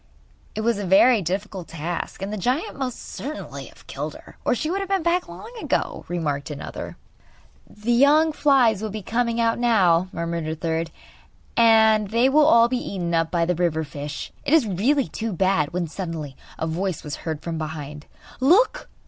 'It was a very difficult task, and the giant must certainly have killed her or she would have been back long ago,' remarked another. 'The young flies will be coming out now,' murmured a third, 'and they will all be eaten up by the river fish! It is really too bad!' When, suddenly, a voice was heard from behind: 'Look!